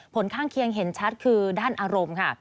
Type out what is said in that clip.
ผลข้างเคียงเห็นชัดคือด้านอารมณ์ค่ะ